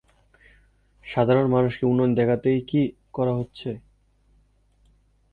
সাধারণ মানুষকে উন্নয়ন দেখাতেই কি করা হচ্ছে?